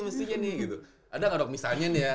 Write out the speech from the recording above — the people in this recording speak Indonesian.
mestinya nih gitu ada nggak dok misalnya nih ya